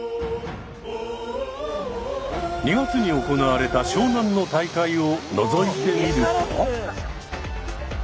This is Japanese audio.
２月に行われた湘南の大会をのぞいてみると。